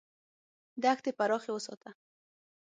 دښتې پراخې وساته.